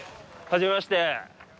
初めまして。